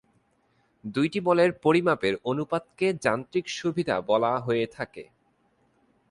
দুইটি বলের পরিমাণের অনুপাতকে যান্ত্রিক সুবিধা বলা হয়ে থাকে।